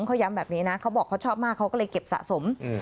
เขาย้ำชอบมากเขาจะก็เลยจะเก็บสะสม